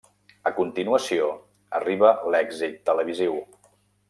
A continuació arriba l'èxit televisiu.